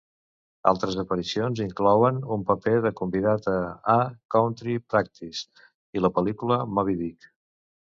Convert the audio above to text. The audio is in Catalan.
Altres aparicions inclouen un paper de convidat a A Country Practice i la pel·lícula Moby-Dick.